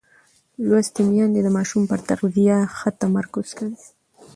لوستې میندې د ماشوم پر تغذیه ښه تمرکز کوي.